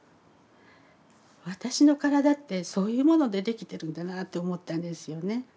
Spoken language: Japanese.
私の体ってそういうものでできてるんだなって思ったんですよね。